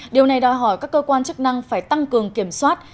điều này đòi hỏi các cơ quan chức năng phải tăng cường kiểm soát